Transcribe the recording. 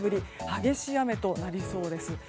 激しい雨となりそうです。